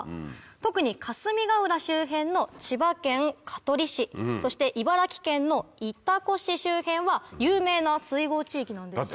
特に霞ヶ浦周辺の千葉県香取市そして茨城県の潮来市周辺は有名な水郷地域なんです。